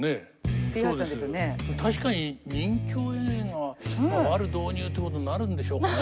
確かに任侠映画はワル導入ってことになるんでしょうかね。